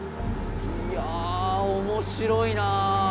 いや面白いな。